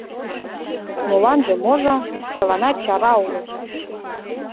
Моланже-можо — чыланат чара улыт.